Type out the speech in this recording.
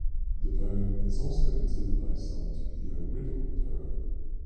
The poem is also considered by some to be a riddle poem.